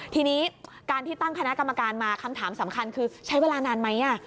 ทีนี้การที่ตั้งคณะกรรมการมาคำถามสำคัญคือใช้เวลานานไหม